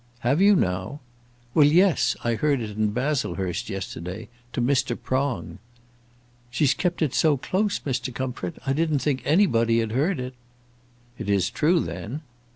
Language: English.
"Have you, now?" "Well, yes; I heard it in Baslehurst yesterday; to Mr. Prong." "She's kept it so close, Mr. Comfort, I didn't think anybody had heard it." "It is true, then?"